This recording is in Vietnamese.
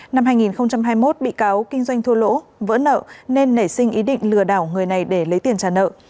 năm hai nghìn hai mươi một bị cáo kinh doanh thua lỗ vỡ nợ nên nảy sinh ý định lừa đảo người này để lấy tiền trả nợ